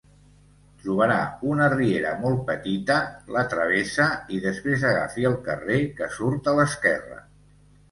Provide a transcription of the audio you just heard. Trobarà una riera molt petita, la travessa, i després agafi el carrer que surt a l'esquerra.